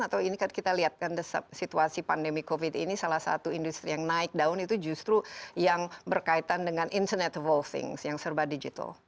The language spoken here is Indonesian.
atau ini kan kita lihat kan situasi pandemi covid ini salah satu industri yang naik daun itu justru yang berkaitan dengan internet of all things yang serba digital